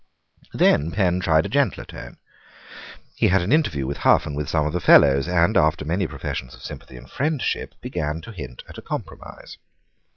Then Penn tried a gentler tone. He had an interview with Hough and with some of the Fellows, and, after many professions of sympathy and friendship, began to hint at a compromise.